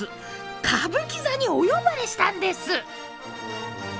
歌舞伎座にお呼ばれしたんです。